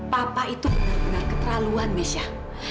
papa itu benar benar keterlaluan misha